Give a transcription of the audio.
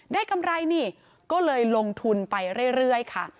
กำไรนี่ก็เลยลงทุนไปเรื่อยค่ะ